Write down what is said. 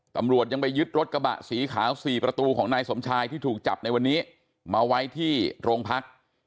ตำรวจยังไปยึดรถกระบะสีขาว๔ประตูของนายสมชายที่ถูกจับในวันนี้มาไว้ที่โรงพัก